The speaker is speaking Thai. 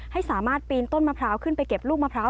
ให้สามารถปีนต้นมะพร้าวขึ้นไปเก็บลูกมะพร้าว